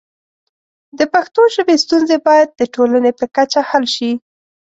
د پښتو ژبې ستونزې باید د ټولنې په کچه حل شي.